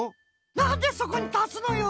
なんでそこにたすのよ！